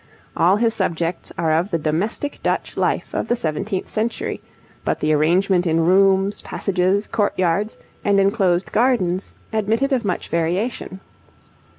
All his subjects are of the domestic Dutch life of the seventeenth century, but the arrangement in rooms, passages, courtyards, and enclosed gardens admitted of much variation.